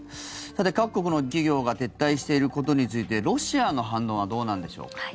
各国の企業が撤退していることについてロシアの反応はどうなんでしょうか。